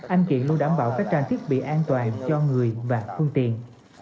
anh thiện luôn đảm bảo các trang thiết bị an toàn cho người và phương tiện